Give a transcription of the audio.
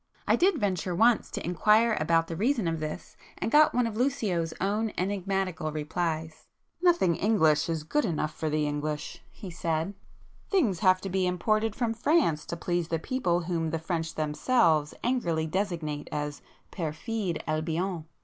I did venture once to inquire the reason of this, and got one of Lucio's own enigmatical replies:— "Nothing English is good enough for the English,"—he said—"Things have to be imported from France to please the people whom the French themselves angrily designate as 'perfide Albion.